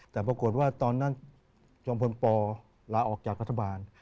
แต่ปรากฏว่าตอนนั้นจอมพลปลาออกจากรัฐบาล